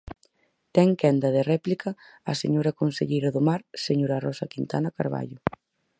Ten quenda de réplica a señora conselleira do Mar, señora Rosa Quintana Carballo.